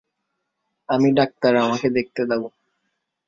আমি ডাক্তার, আমাকে দেখতে দাও।